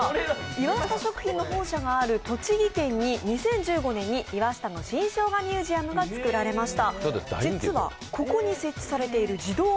岩下食品の本社がある栃木県に岩下の新生姜ミュージアムが作られました。